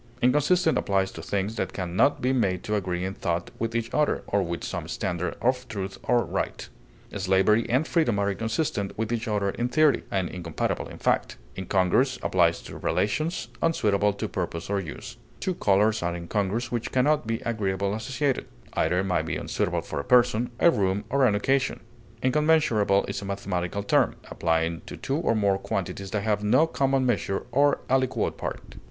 Inconsistent applies to things that can not be made to agree in thought with each other, or with some standard of truth or right; slavery and freedom are inconsistent with each other in theory, and incompatible in fact. Incongruous applies to relations, unsuitable to purpose or use; two colors are incongruous which can not be agreeably associated; either may be unsuitable for a person, a room, or an occasion. Incommensurable is a mathematical term, applying to two or more quantities that have no common measure or aliquot part.